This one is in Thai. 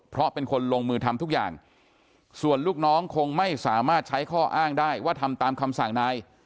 เพราะเป็นคนลงมือทำทุกอย่างส่วนลูกน้องคงไม่สามารถใช้ข้ออ้างได้ว่าทำตามคำสั่งนาย